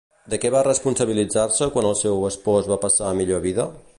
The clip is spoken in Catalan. De què va responsabilitzar-se quan el seu espòs va passar a millor vida?